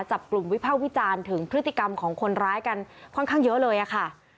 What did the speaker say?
วิภาควิจารณ์ถึงพฤติกรรมของคนร้ายกันค่อนข้างเยอะเลยค่ะ